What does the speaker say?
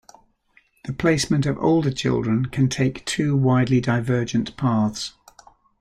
The placement of older children can take two widely divergent paths.